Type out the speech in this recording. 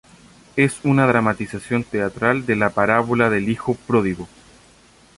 Es una dramatización teatral de la parábola del hijo pródigo.